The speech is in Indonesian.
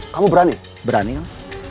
kamu berani berani lah